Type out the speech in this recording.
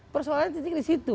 persoalannya titik di situ